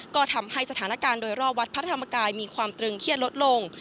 ก็ทำให้สถานการณ์โดยรอบวัดพระธรรมกายมีความตรึงเครียดลดลง